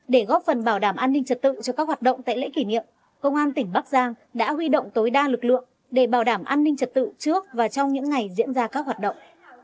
để góp phần bảo đảm an ninh trật tự cho các hoạt động tại lễ kỷ niệm công an tỉnh bắc giang đã huy động tối đa lực lượng để bảo đảm an ninh trật tự trước và trong những ngày diễn ra các hoạt động